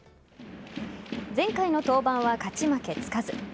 前回の登板は勝ち負けつかず。